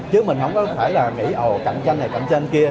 chứ mình không có phải là mỹ ồ cạnh tranh này cạnh tranh kia